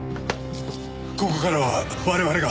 ここからは我々が。